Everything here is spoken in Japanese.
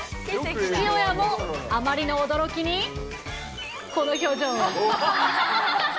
父親もあまりの驚きにこの表情。